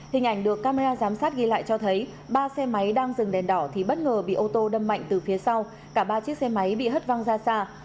hình ảnh được camera giám sát ghi lại cho thấy ba xe máy đang dừng đèn đỏ thì bất ngờ bị ô tô đâm mạnh từ phía sau cả ba chiếc xe máy bị hất văng ra xa